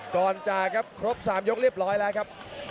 ก่อนจะครบ๓ยกเรียบร้อยแล้วครับ